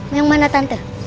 mau yang mana tante